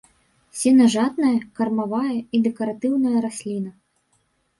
Сенажатная, кармавая і дэкаратыўная расліна.